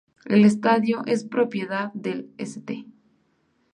El estadio es propiedad del St.